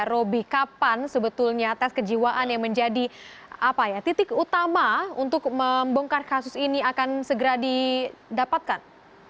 roby kapan sebetulnya tes kejiwaan yang menjadi titik utama untuk membongkar kasus ini akan segera didapatkan